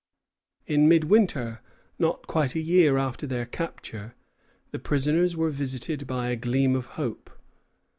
In midwinter, not quite a year after their capture, the prisoners were visited by a gleam of hope.